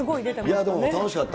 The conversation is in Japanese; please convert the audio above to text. でも楽しかった。